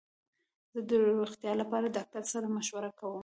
زه د روغتیا لپاره ډاکټر سره مشوره کوم.